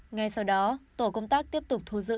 ngay sau đó tổ công tác tiếp tục thu giữ